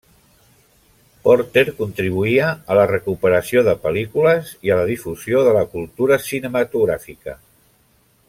Porter contribuïa a la recuperació de pel·lícules i a la difusió de la cultura cinematogràfica.